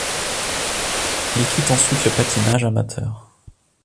Il quitte ensuite le patinage amateur.